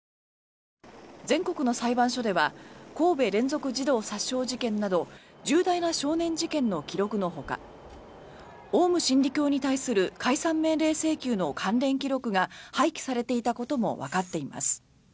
全国の裁判所では神戸連続児童殺傷事件など重大な少年事件の記録のほかオウム真理教に対する解散命令請求の関連記録が廃棄されていたこともわかっています。